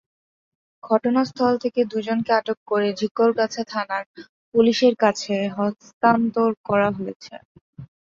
ঘটনাস্থল থেকে দুজনকে আটক করে ঝিকরগাছা থানার পুলিশের কাছে হস্তান্তর করা হয়েছে।